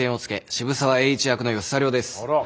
渋沢栄一役の吉沢亮です。